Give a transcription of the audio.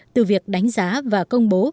từ việc đánh giá và công bố